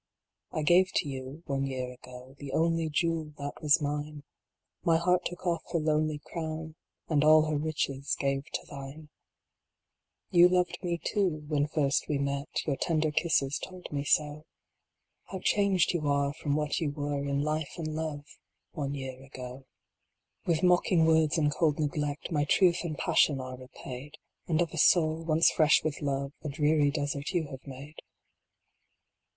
I gave to you one year ago, The only jewel that was mine ; My heart took off her lonely crown, And all her riches gave to thine. 61 62 ONE YEAR AGO. You loved me, too, when first we met, Your tender kisses told me so. How changed you are from what you were In life and love one year ago. With mocking words and cold neglect, My truth and passion are repaid, And of a soul, once fresh with love, A dreary desert you have made.